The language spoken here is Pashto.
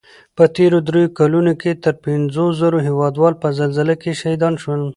په تېرو دریو کلو کې تر پنځو زرو هېوادوال په زلزله کې شهیدان شول